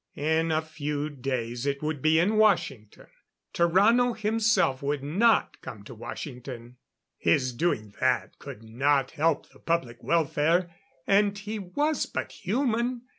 In a few days it would be in Washington. Tarrano himself would not come to Washington. His doing that could not help the public welfare, and he was but human.